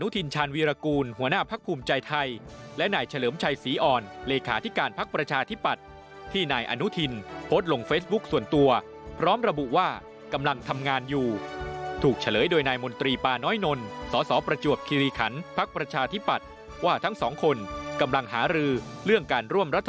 ติดตามในเจาะประเด็นความเคลื่อนไหวการเมืองครับ